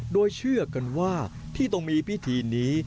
โดยเชื่อกันว่าที่ต้องมีพิธีนี้